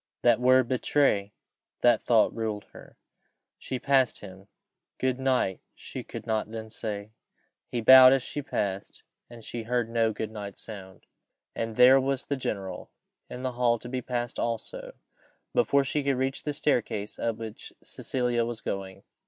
That word betray that thought ruled her. She passed him: "Good night" she could not then say. He bowed as she passed, and she heard no "Good night" no sound. And there was the general in the hall to be passed also, before she could reach the staircase up which Cecilia was going.